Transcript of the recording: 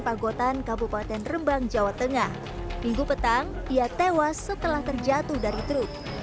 pagotan kabupaten rembang jawa tengah minggu petang ia tewas setelah terjatuh dari truk